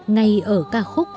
ngay ở ca khúc